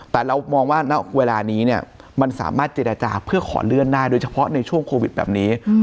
แต่เรามองว่าณเวลานี้เนี่ยมันสามารถเจรจาเพื่อขอเลื่อนได้โดยเฉพาะในช่วงโควิดแบบนี้